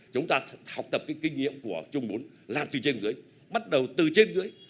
chúng ta học tập cái kinh nghiệm của chung bốn làm từ trên dưới bắt đầu từ trên dưới